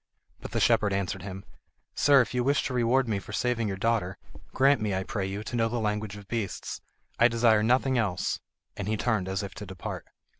But the shepherd answered him: "Sir, if you wish to reward me for saving your daughter, grant me, I pray you, to know the language of beasts. I desire nothing else"; and he turned as if to depart.